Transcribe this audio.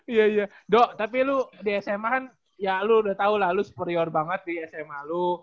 iya iya do tapi lo di sma kan ya lo udah tahu lah lo superior banget di sma lo